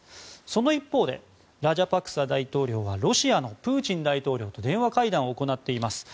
その一方でラジャパクサ大統領はロシアのプーチン大統領と電話会談を行っています。